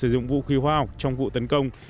sử dụng vũ khí hóa học trong vụ tấn công